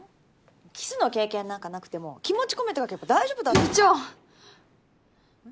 キスの経験なんかなくても気持ち込めて描けば大丈夫部長！